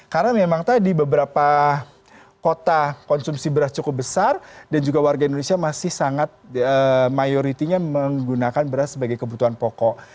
karena memang tadi beberapa kota konsumsi beras cukup besar dan juga warga indonesia masih sangat mayoritinya menggunakan beras sebagai kebutuhan pokok